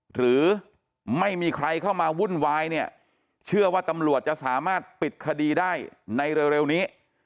หรือไม่มีใครเข้ามาวุ่นวายเนี่ยเชื่อว่าตำรวจจะสามารถปิดคดีได้ในเร็วนี้